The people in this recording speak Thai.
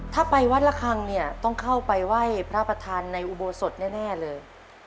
ถ้าไปวัดละคังเนี่ยต้องเข้าไปไหว้พระประธานในอุโบสถแน่เลย